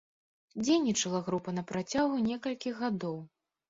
Дзейнічала група на працягу некалькіх гадоў.